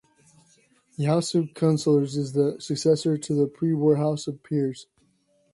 The House of Councillors is the successor to the pre-war House of Peers.